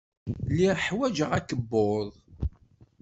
Lliɣ ḥwajeɣ akebbuḍ.